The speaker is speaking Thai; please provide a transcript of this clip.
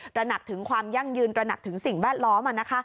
ระหนักถึงความยั่งยืนตระหนักถึงสิ่งแวดล้อม